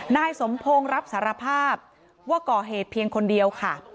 นายสมพงศ์รับสารภาพว่าก่อเหตุเพียงคนเดียวค่ะ